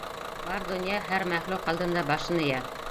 Бар донъя, һәр мәхлүк алдында башын эйә.